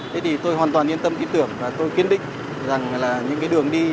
thế thì tôi hoàn toàn yên tâm ý tưởng và tôi kiên định rằng là những cái đường đi